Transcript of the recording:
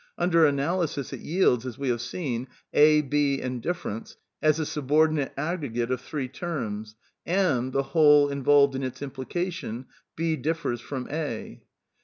Under analysis it yields, as we have seen, "A, .1 .» B, and difference" as a subordinate aggregate of three"' "^ terms, and the whole involved in its implication, " B differs from A."